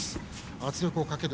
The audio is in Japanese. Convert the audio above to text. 圧力をかける。